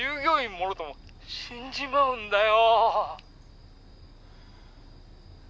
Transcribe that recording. もろとも☎死んじまうんだよ